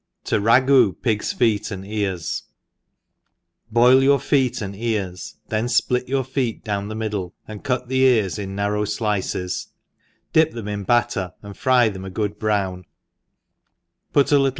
\To ragoo Piofos Feet an J Ears. BOIL your feet and ears, then fplit yQurfeet down the middle, and cut the ears in oaN rovf^ iNces/ dtp them in batter, and fry them a good browh, put alittle.